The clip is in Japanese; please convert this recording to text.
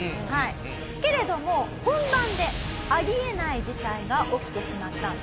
けれども本番であり得ない事態が起きてしまったんです。